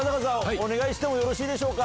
お願いしてもよろしいでしょうか？